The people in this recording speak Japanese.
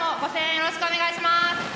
よろしくお願いします。